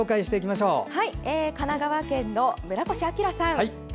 まずは神奈川県の村越章さん。